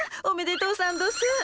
おめでとうさんどす。